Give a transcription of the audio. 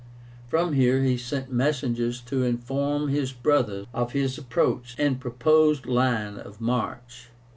From here he sent messengers to inform his brother of his approach and proposed line of march.